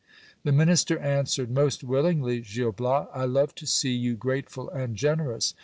The 312 GIL BLAS. minister answered : Most willingly, Gil Bias. I love to see you grateful and generous.